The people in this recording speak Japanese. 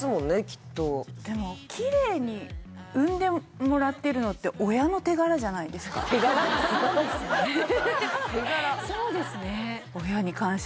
きっとでもきれいに生んでもらってるのって親の手柄じゃないですかそうですね手柄？